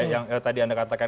yang tadi anda katakan